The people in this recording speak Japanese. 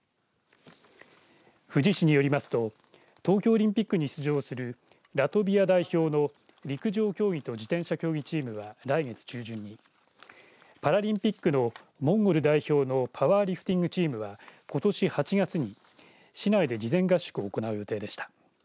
富士市によりますと東京オリンピックに出場するラトビア代表の陸上競技と自転車競技チームは来月中旬にパラリンピックのモンゴル代表のパワーリフティングチームはことし８月に市内で事前合宿を行う予定でした。